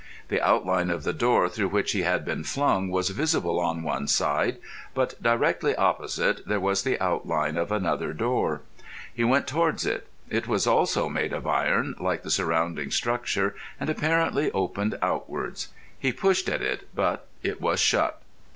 The outline of the door through which he had been flung was visible on one side, but directly opposite there was the outline of another door. He went towards it. It was also made of iron like the surrounding structure, and apparently opened outwards. He pushed at it, but it was shut.